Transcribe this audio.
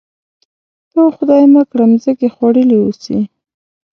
ته وا خدای مه کړه مځکې خوړلي اوسي.